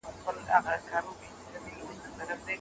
په لاس لیکل د چټک ژوند په منځ کي د ارامتیا شیبه ده.